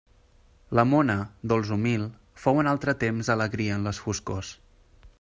La mona, dolç humil, fou en altre temps alegria en les foscors.